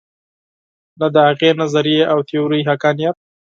نه د هغې نظریې او تیورۍ حقانیت.